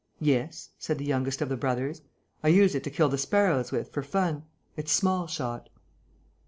"Yes," said the youngest of the brothers. "I use it to kill the sparrows with, for fun. It's small shot."